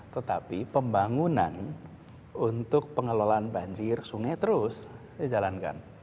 tetapi pembangunan untuk pengelolaan banjir sungai terus dijalankan